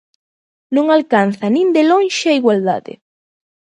Non alcanza nin de lonxe a igualdade.